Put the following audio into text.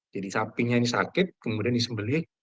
jadi sapinya ini sakit kemudian disembelih